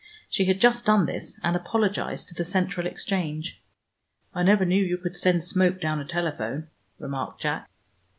She had just done this and apologized to the Central exchange. "I never knew you could send smoke down a telephone," remarked Jack.